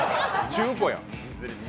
中古やん。